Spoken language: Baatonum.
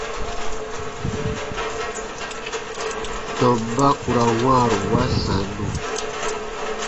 Tɔmba ku ra wãaru wa sannu.